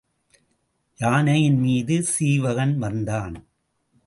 யானையின் மீது சீவகன் வந்தான்.